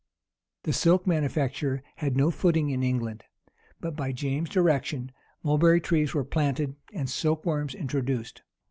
The silk manufacture had no footing in England: but, by James's direction, mulberry trees were planted, and silk worms introduced.